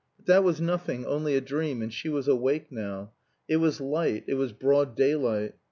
But that was nothing, only a dream, and she was awake now. It was light; it was broad daylight.